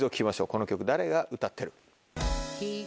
この曲誰が歌ってる？